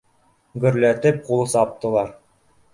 Гөрләтеп ҡул саптылар